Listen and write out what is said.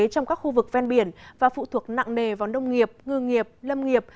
trong các khu vực ven biển và phụ thuộc nặng nề vào nông nghiệp ngư nghiệp lâm nghiệp